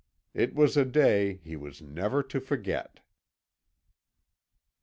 "It was a day he was never to forget."